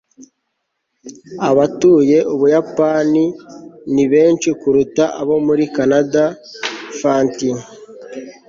abatuye ubuyapani ni benshi kuruta abo muri kanada. (fanty